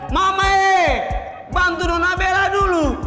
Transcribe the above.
mama ee bantu nona bella dulu